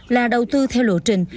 là đầu tư theo lộ trình